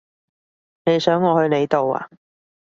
你想我去你度呀？